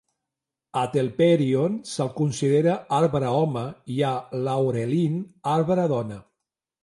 A Telperion se'l considera arbre home i a Laurelin, arbre dona.